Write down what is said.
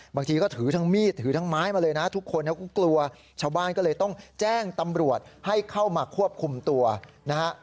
บางทีก็ถือทั้งมีดถือทั้งไม้มาเลยนะทุกคนก็กลัวชาวบ้านก็เลยต้องแจ้งตำรวจให้เข้ามาควบคุมตัวนะฮะ